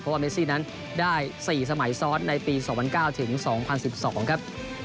เพราะว่าเมซี่นั้นได้๔สมัยซ้อนในปี๒๐๐๙ถึง๒๐๑๒ครับ